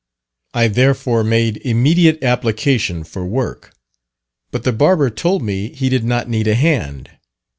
I therefore made immediate application for work, but the barber told me he did not need a hand.